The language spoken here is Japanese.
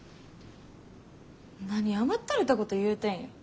何甘ったれたこと言うてんや。